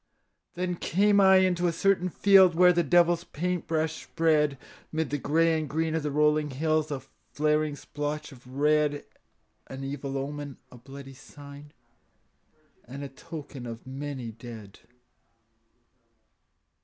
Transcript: Then came I into a certain field Where the devil's paint brush spread 'Mid the gray and green of the rolling hills A flaring splotch of red, An evil omen, a bloody sign, And a token of many dead.